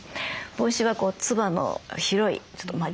帽子はつばの広いちょっと女優